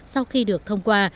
sau khi được thông qua